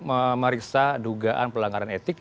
memeriksa dugaan pelanggaran etik